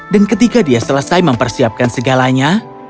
ketika dia selesai mempersiapkan segalanya